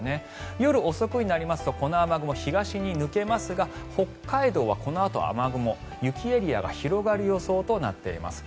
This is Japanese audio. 夜遅くになりますとこの雨雲、東に抜けますが北海道はこのあと雨雲雪エリアが広がる予想となっています。